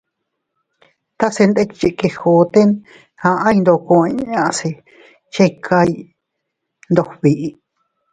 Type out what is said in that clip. Tase ndikchi Quijote, aʼay ndoko inña se iychikay ndog biʼi.